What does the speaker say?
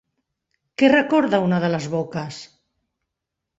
Què recorda una de les boques?